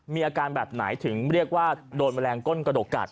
มีอาการแบบไหนถึงเรียกว่าโดนแมลงก้นกระดกกัด